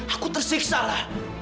aku tersiksa lara